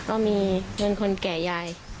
ก็มีเพื่อนคนแก่ยาย